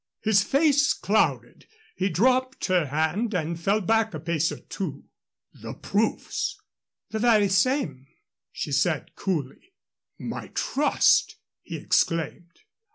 His face clouded; he dropped her hand and fell back a pace or two. "The proofs " "The very same," she said, coolly. "My trust!" he exclaimed.